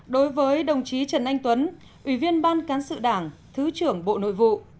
đối với đồng chí trần anh tuấn ủy viên ban cán sự đảng thứ trưởng bộ nội vụ